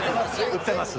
売ってます。